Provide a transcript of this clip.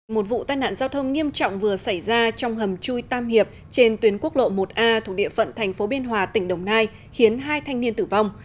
một vụ tai nạn giao thông nghiêm trọng vừa xảy ra trong hầm chui tam hiệp trên tuyến quốc lộ một a thuộc địa phận thành phố biên hòa tỉnh đồng nai khiến hai thanh niên tử vong